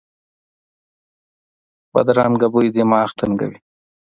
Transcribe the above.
بدرنګه بوی دماغ تنګوي